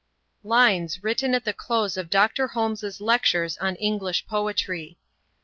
LINES WRITTEN AT THE CLOSE OF DR. HOLMES'S LECTURES ON ENGLISH POETRY.